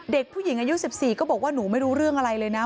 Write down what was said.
เด็กผู้หญิงอายุ๑๔ก็บอกว่าหนูไม่รู้เรื่องอะไรเลยนะ